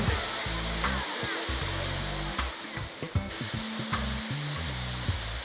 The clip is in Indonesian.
banyak yang menikmati